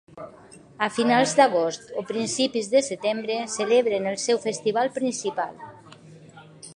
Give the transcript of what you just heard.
A finals d'agost o principis de setembre celebren el seu festival principal.